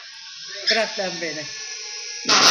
Bırak lan beni!